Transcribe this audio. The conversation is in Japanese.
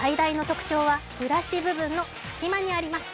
最大の特徴はブラシ部分の隙間にあります。